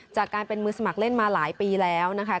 จากการเป็นมือสมัครเล่นมาหลายปีแล้วนะคะ